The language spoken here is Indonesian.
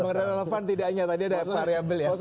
sebenarnya relevan tidak hanya tadi ada variable ya